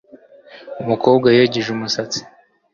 Umukobwa yogeje umusatsi